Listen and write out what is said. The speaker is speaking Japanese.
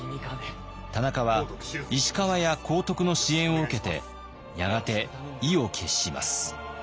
田中は石川や幸徳の支援を受けてやがて意を決します。